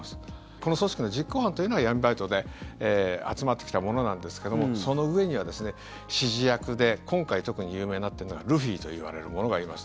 この組織の実行犯というのは闇バイトで集まってきた者なんですけどもその上にはですね指示役で今回、特に有名になっているのがルフィといわれる者がいます。